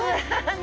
何？